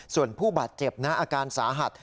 ส่วนผู้บาดเจ็บนะอาการสาหัส